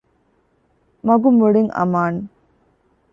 މަގު މުޅިން އަމާނެ